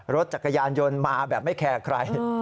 รถจักรยานยนต์มาแบบไม่แคร์ใคร